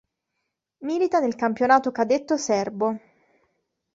Milita nel campionato cadetto serbo.